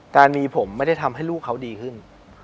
การมีผมไม่ได้ทำให้ลูกเขาดีขึ้น